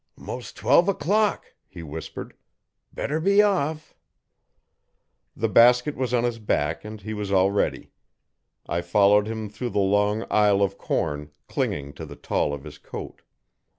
'Mos' twelve o'clock,' he whispered. 'Better be off.' The basket was on his back and he was all ready. I followed him through the long aisle of corn, clinging to the tall of his coat.